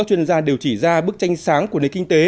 về vấn đề này